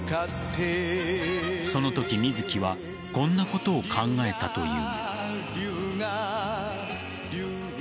そのとき水木はこんなことを考えたという。